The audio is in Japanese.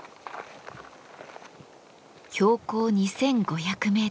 標高２，５００メートル